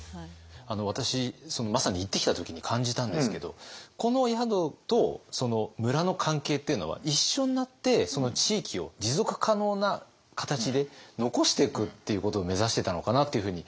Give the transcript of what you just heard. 私まさに行ってきた時に感じたんですけどこの宿と村の関係っていうのは一緒になってその地域を持続可能な形で残していくっていうことを目指してたのかなというふうに。